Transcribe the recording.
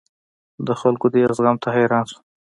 د خلکو دې زغم ته حیران شوم.